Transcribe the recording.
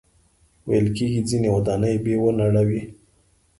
ویل کېږي ځینې ودانۍ به ونړوي.